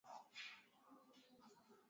Wachezaji walienda mapumziko